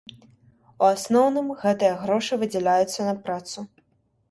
У асноўным гэтыя грошы выдзяляюцца на працу.